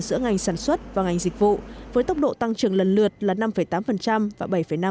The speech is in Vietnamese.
giữa ngành sản xuất và ngành dịch vụ với tốc độ tăng trưởng lần lượt là năm tám và bảy năm